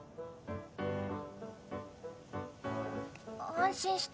安心して。